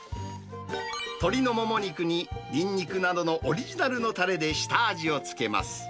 鶏のもも肉にニンニクなどのオリジナルのたれで下味をつけます。